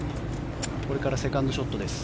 これからセカンドショットです。